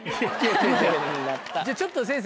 じゃちょっと先生。